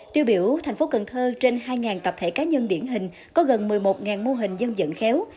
tiêu biểu thành phố cần thơ trên hai tập thể cá nhân điển hình có gần một mươi một mô hình dân dẫn khéo